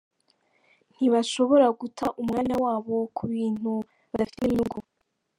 Ntibashobora guta umwanya wabo kubintu badafitemo inyungu.